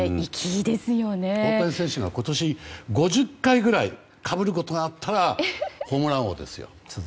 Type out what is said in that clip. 大谷選手が今年５０回ぐらいかぶることがあったらホームラン王ですよ。